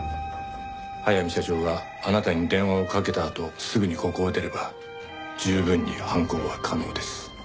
速水社長があなたに電話をかけたあとすぐにここを出れば十分に犯行は可能です。